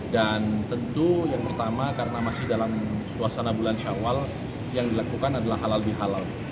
dan tentu yang pertama karena masih dalam suasana bulan syawal yang dilakukan adalah halal bihalal